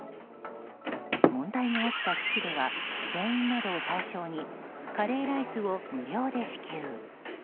問題が起きた基地では船員などを対象にカレーライスを無料で支給。